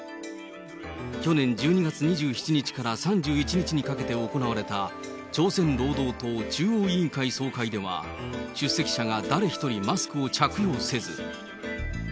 去年１２月２７日から３１日にかけて行われた朝鮮労働党中央委員会総会では、出席者が誰一人、マスクを着用せず。